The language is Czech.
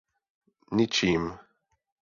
Ničím.